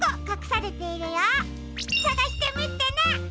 さがしてみてね！